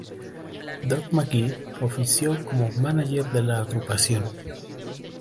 Doc McGhee ofició como manager de la agrupación.